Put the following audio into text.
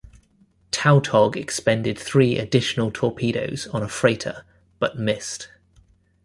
"Tautog" expended three additional torpedoes on a freighter, but missed.